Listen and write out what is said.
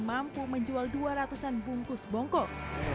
mampu menjual dua ratus an bungkus bongkok